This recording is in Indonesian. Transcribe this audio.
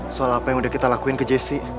soal apa yang udah kita lakuin ke jessi